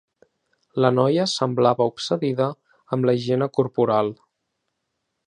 La noia semblava obsedida amb la higiene corporal.